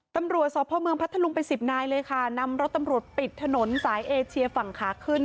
ตำรวจสพเมืองพัทธลุงเป็นสิบนายเลยค่ะนำรถตำรวจปิดถนนสายเอเชียฝั่งขาขึ้น